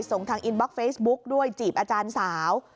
ส่งทางอินบล็อกเฟซบุ๊กด้วยจีบอาจารย์สาว